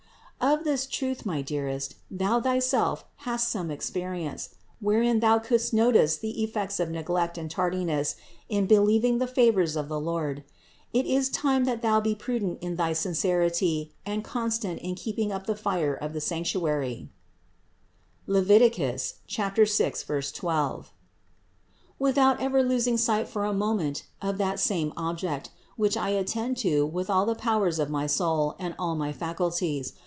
584. Of this truth, my dearest, thou thyself hast some experience, wherein thou couldst notice the effects of neglect and tardiness in believing the favors of the Lord. It is time that thou be prudent in thy sincerity and con stant in keeping up the fire of the sanctuary (Lev. 6, THE INCARNATION 495 12), without ever losing sight for a moment of that same Object, which I attended to with all the powers of my soul and all my faculties.